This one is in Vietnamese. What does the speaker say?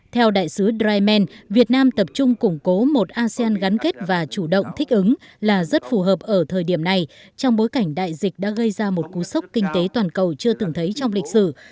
theo đại sứ dreisman việt nam tập trung củng cố một asean gắn kết và chủ động thích ứng là rất phù hợp ở thời điểm này trong bối cảnh đại dịch đã gây ra một cú sốc kinh tế toàn cầu chưa từng thấy trong lịch sử